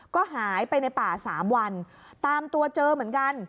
ก็หายไปในป่า๓วันตามตัวเจอเหมือนกัน